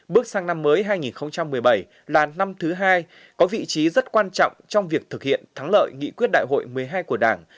bước sang năm mới hai nghìn một mươi bảy là năm thứ hai có vị trí rất quan trọng trong việc thực hiện thắng lợi nghị quyết đại hội một mươi hai của đảng